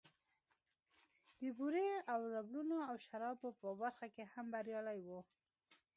د بورې او ربړونو او شرابو په برخه کې هم بريالی و.